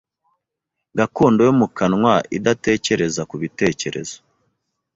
gakondo yo mu kanwa idatekereza ku bitekerezo